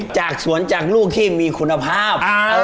จากสวนจากลูกที่มีคุณภาพ